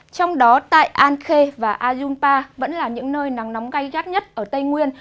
trong đó tại an khê và a dung pa vẫn là những nơi nắng nóng gai gắt nhất ở tây nguyên